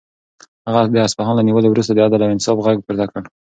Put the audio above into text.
هغه د اصفهان له نیولو وروسته د عدل او انصاف غږ پورته کړ.